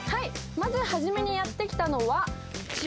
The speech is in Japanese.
まず初めにやって来たのは千葉県。